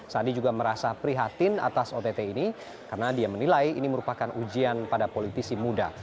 sandi juga merasa prihatin atas ott ini karena dia menilai ini merupakan ujian pada politisi muda